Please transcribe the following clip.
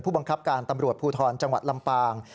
บังคับการตำรวจภูทรจังหวัดลำปาง